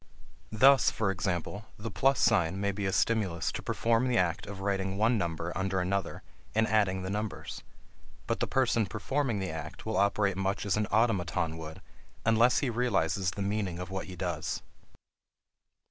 Thus, for example, the plus sign may be a stimulus to perform the act of writing one number under another and adding the numbers, but the person performing the act will operate much as an automaton would unless he realizes the meaning of what he does.